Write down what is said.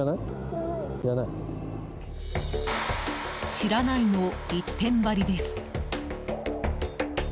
知らないの一点張りです。